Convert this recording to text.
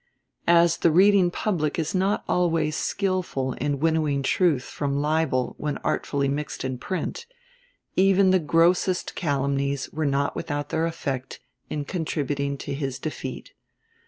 As the reading public is not always skillful in winnowing truth from libel when artfully mixed in print, even the grossest calumnies were not without their effect in contributing to his defeat.